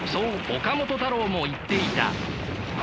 岡本太郎も言っていた。